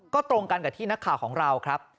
ก็ตรงกันกับที่นักข่าวของเราครับ